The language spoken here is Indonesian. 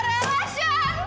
masalahnya jangan dipunyai